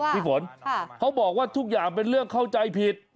พี่ฝนเขาบอกว่าทุกอย่างเป็นเรื่องเข้าใจผิด